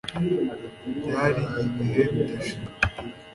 Byari ibihe bidashira